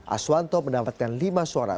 aswanto mendapatkan lima suara